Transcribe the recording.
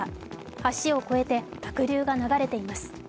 橋を越えて濁流が流れています。